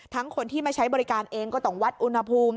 คนที่มาใช้บริการเองก็ต้องวัดอุณหภูมิ